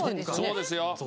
そうですよ。